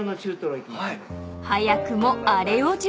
［早くもあれを準備］